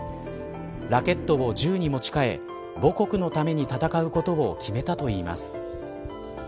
ラケットを銃に持ち替え母国のために戦うことを決めたといいます。